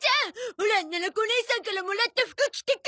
オラななこおねいさんからもらった服着てく！